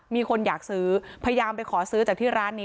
มีคนอยากซื้อพยายามไปขอซื้อจากที่ร้านนี้